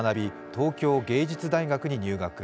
東京芸術大学に入学。